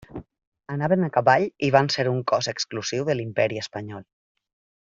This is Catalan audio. Anaven a cavall i van ser un cos exclusiu de l'imperi espanyol.